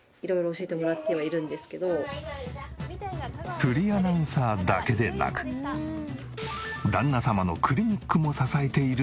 フリーアナウンサーだけでなく旦那様のクリニックも支えている中野アナ。